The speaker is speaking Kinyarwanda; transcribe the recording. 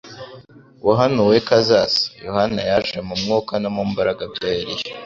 wahanuwe ko azaza." Yohana yaje mu mwuka no mu mbaraga bya Eliya,